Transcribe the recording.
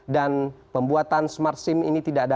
dan pembuatan smart sim ini tidak dapat